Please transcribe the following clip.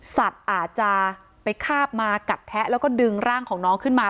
สัตว์อาจจะไปคาบมากัดแทะแล้วก็ดึงร่างของน้องขึ้นมา